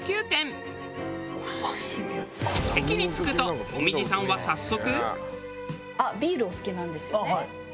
席に着くと紅葉さんは早速。